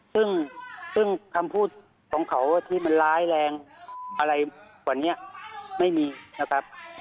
ซึ่งคำพูดของเขาที่มันร้ายแรงอะไรกว่านี้ไม่มีนะครับ